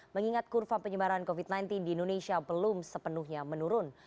mengingat kurva penyebaran covid sembilan belas di indonesia belum sepenuhnya menurun